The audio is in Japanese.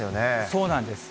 そうなんです。